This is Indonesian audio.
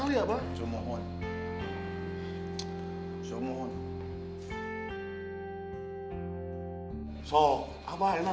iya harus percaya